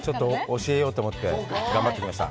教えようと思って頑張ってきました。